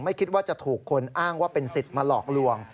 ไม่คิดว่าจะถูกคนอ้างว่าเป็นสิทธิ์มาหลอกลวง